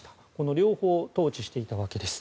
両方、統治していたわけです。